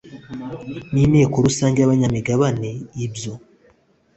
n inteko rusange y abanyamigabane Ibyo